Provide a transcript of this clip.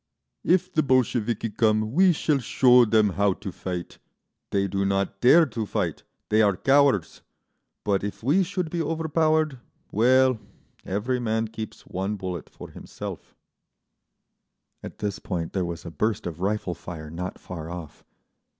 "If the Bolsheviki come we shall show them how to fight. They do not dare to fight, they are cowards. But if we should be overpowered, well, every man keeps one bullet for himself…." At this point there was a burst of rifle fire not far off.